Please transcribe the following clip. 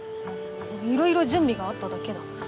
いろいろ準備があっただけだ。